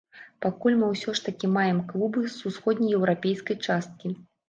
Пакуль мы ўсё ж такі маем клубы з усходнееўрапейскай часткі.